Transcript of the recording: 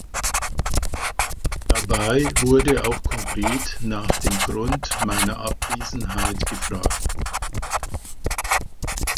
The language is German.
Dabei wurde auch konkret nach dem Grund meiner Abwesenheit gefragt.